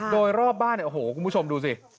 โดยรอบบ้านคุณผู้ชมดูสิ